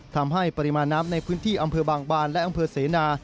ทำให้ปริมาณน้ำในพื้นที่อำเภอบางบานและอำเภอเสนา